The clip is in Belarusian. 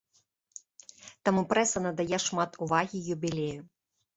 Таму прэса надае шмат увагі юбілею.